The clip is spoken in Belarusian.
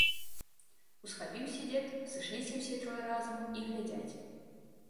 Усхапіўся дзед, сышліся ўсе трое разам і глядзяць.